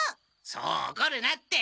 そうおこるなって。